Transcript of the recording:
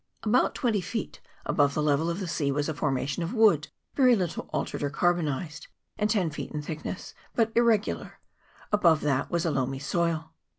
About twenty feet above the level of the sea was a formation of wood, very little altered or carbonized, and ten feet in thickness, but irregular : above that was a loamy soil.